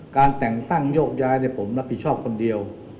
การแต่งตั้งโยกย้ายผมรับผิดชอบคนเดียว